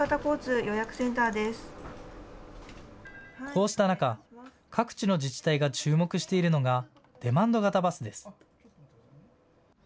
こうした中、各地の自治体が注目しているのがデマンド型バスです。